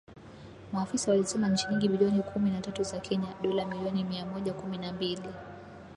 Maafisa walisema ni shilingi bilioni kumi na tatu za Kenya (dola milioni mia moja kumi na mbili)